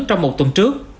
trong một tuần trước